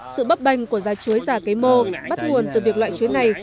sự bấp banh của giá chuối giả cấy mô bắt nguồn từ việc loại chuối này